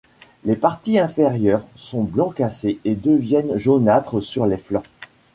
Les parties inférieures sont blanc cassé et deviennent jaunâtres sur les flancs.